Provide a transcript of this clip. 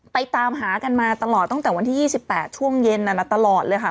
ตามหากันมาตลอดตั้งแต่วันที่๒๘ช่วงเย็นตลอดเลยค่ะ